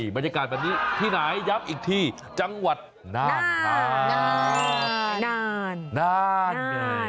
บรรยากาศวันนี้ที่ไหนย้ำอีกที่จังหวัดนานนานนานนาน